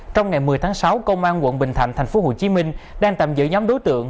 trong ngày một mươi tháng sáu công an quận bình thạnh tp hcm đang tạm giữ nhóm đối tượng